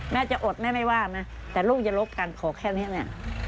แม่จะอดแม่ไม่ว่านะแต่ลูกจะรบกันขอแค่นี้แหละ